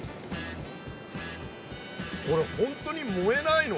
これ本当に燃えないの？